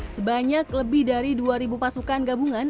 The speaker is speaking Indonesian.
sebanyak lebih dari dua pasukan gabungan